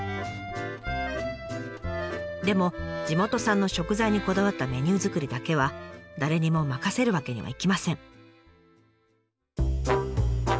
でも地元産の食材にこだわったメニュー作りだけは誰にも任せるわけにはいきません。